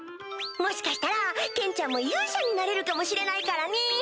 もしかしたらケンちゃんも勇者になれるかもしれないからね！